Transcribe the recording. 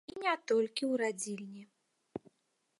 І не толькі ў радзільні.